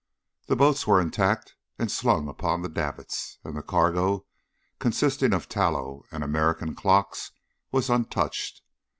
The boats were intact and slung upon the davits; and the cargo, consisting of tallow and American clocks, was untouched.